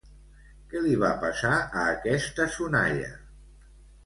Què li va passar a aquesta sonalla?